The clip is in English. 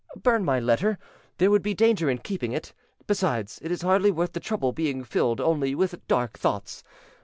"Burn my letter: there would be danger in keeping it. Besides, it is hardly worth the trouble, being filled only with dark thoughts.